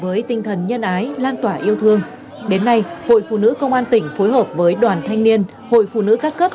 với tinh thần nhân ái lan tỏa yêu thương đến nay hội phụ nữ công an tỉnh phối hợp với đoàn thanh niên hội phụ nữ các cấp